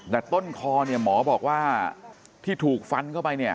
แต่ต้นคอเนี่ยหมอบอกว่าที่ถูกฟันเข้าไปเนี่ย